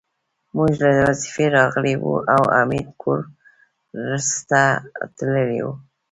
مور له وظيفې راغلې وه او حميد کورس ته تللی و